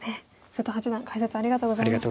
瀬戸八段解説ありがとうございました。